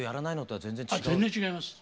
あっ全然違います。